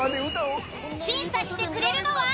審査してくれるのは。